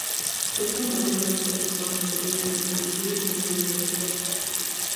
Sergio Moreno es profesor de Derecho mercantil en la Universidad de Cádiz.